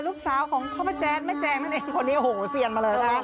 ลูกสาวของพ่อแจ๊กแม่แจงนั่นเองคนนี้โหเสียงมาเลยค่ะ